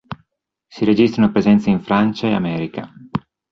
Si registrano presenze in Francia e America.